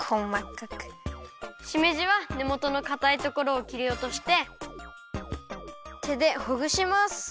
しめじはねもとのかたいところをきりおとしててでほぐします。